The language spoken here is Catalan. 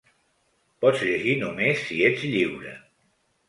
Pots llegir només si ets lliure.